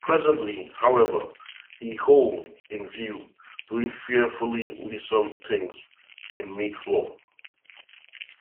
Presently, however, he hove in view, doing fearfully lissom things in mid-floor.